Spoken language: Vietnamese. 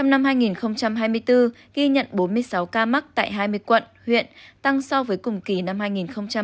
năm hai nghìn hai mươi bốn ghi nhận bốn mươi sáu ca mắc tại hai mươi quận huyện tăng so với cùng kỳ năm hai nghìn hai mươi hai